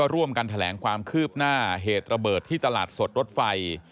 ร่วมกันแถลงความคืบหน้าเหตุระเบิดที่ตลาดสดรถไฟ